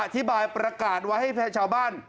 อธิบายประกาศไว้ให้ชาวบ้าน